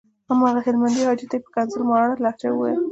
هماغه هلمندي حاجي ته یې په ښکنځل ماره لهجه وويل.